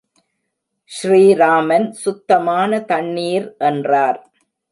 ஸ்ரீ ராமன் சுத்தமான தண்ணீர் என்றார்.